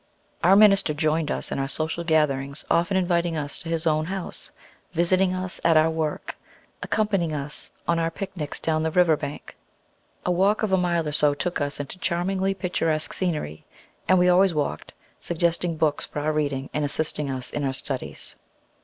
Our minister joined us in our social gatherings, often inviting us to his own house, visiting us at our work, accompanying us on our picnics down the river bank, a walk of a mile or so took us into charmingly picturesque scenery, and we always walked, suggesting books for our reading, and assisting us in our studies.